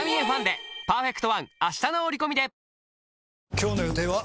今日の予定は？